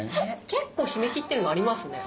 結構閉めきってるのありますね。